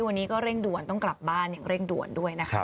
วันนี้ก็เร่งด่วนต้องกลับบ้านอย่างเร่งด่วนด้วยนะคะ